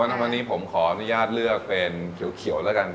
วันนี้ผมขออนุญาตเลือกเป็นเขียวแล้วกัน